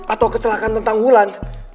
atau kecelakaan tentang bulan